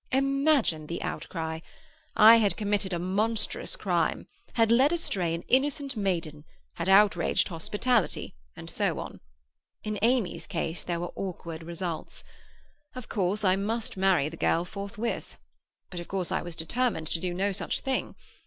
Imagine the outcry. I had committed a monstrous crime—had led astray an innocent maiden, had outraged hospitality—and so on. In Amy's case there were awkward results. Of course I must marry the girl forthwith. But of course I was determined to do no such thing.